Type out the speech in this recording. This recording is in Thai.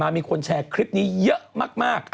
มีคนแชร์คลิปนี้เยอะมาก